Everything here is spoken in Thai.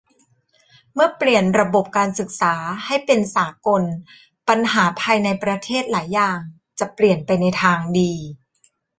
เมื่อเปลี่ยนระบบการศึกษาให้เป็นสากลปัญหาภายในประเทศหลายอย่างจะเปลี่ยนไปในทางดี